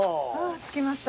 着きました。